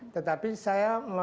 tetapi saya mengatakan